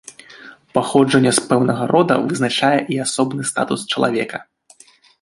Паходжанне з пэўнага рода вызначае і асобны статус чалавека.